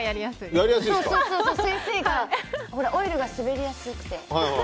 オイルが滑りやすくて。